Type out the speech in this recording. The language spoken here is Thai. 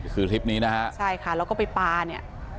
คือคลิปนี้นะฮะใช่ค่ะแล้วก็ไปปลาเนี่ย